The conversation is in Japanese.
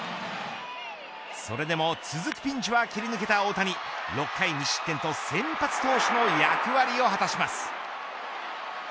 それでも続くピンチを切り抜けた大谷６回２失点と先発投手の役割を果たします。